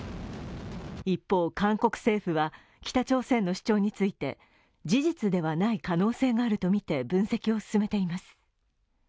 一方、韓国政府は北朝鮮の主張について、事実ではない可能性があるとみて分析を進めています。